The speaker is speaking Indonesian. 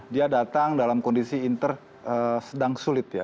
dia datang dalam kondisi inter sedang sulit ya